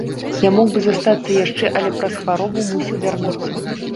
Я мог бы застацца яшчэ, але праз хваробу мусіў вярнуцца.